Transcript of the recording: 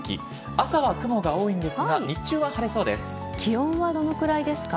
朝は雲が多いんですが気温はどのくらいですか？